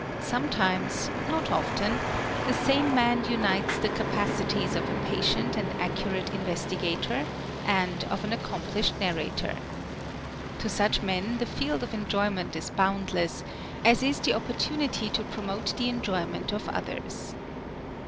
Sometimes not often the same man unites the capacities of a patient and accurate investigator and of an accomplished narrator. To such men the field of enjoyment is boundless, as is the opportunity to promote the enjoyment of others.